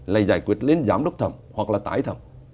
là giải quyết lên giám đốc thầm hoặc là tải thầm